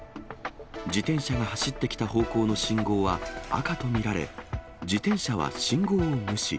自転車が走ってきた方向の信号は赤と見られ、自転車は信号を無視。